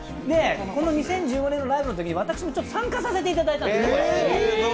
この２０１５年のライブのときに私も参加させていただいたんです。